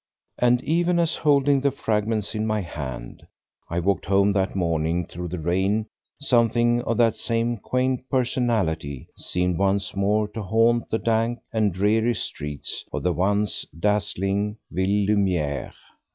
And even as, holding the fragments in my hand, I walked home that morning through the rain something of that same quaint personality seemed once more to haunt the dank and dreary streets of the once dazzling Ville Lumière.